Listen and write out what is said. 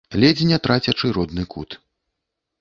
Ледзь не трацячы родны кут.